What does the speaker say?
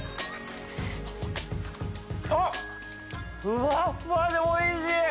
ふわっふわでおいしい！